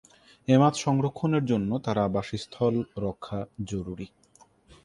এ মাছ সংরক্ষণের জন্য তার আবাসস্থল রক্ষা জরুরি।